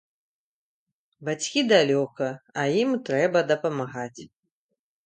Бацькі далёка, а ім трэба дапамагаць.